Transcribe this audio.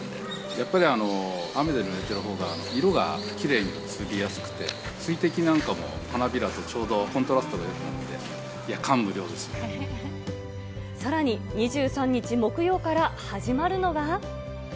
やっぱり雨でぬれてるほうが、色がきれいに写りやすくて、水滴なんかも花びらとちょうどコントラストがよくなって、感無量さらに２３日木曜から始まるのは。